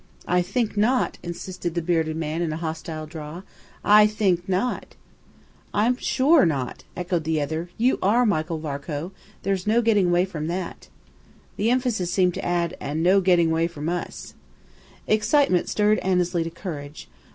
"I think not," insisted the bearded man, in a hostile drawl. "I think not!" "I'm sure not," echoed the other. "You are Michael Varcoe. There's no getting away from that." The emphasis seemed to add, "And no getting away from us." Excitement stirred Annesley to courage.